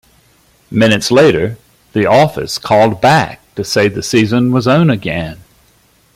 Minutes later, the office called back to say the season was on again.